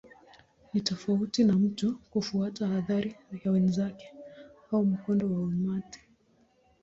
Ni tofauti na mtu kufuata athari ya wenzake au mkondo wa umati.